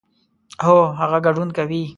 هو، هغه ګډون کوي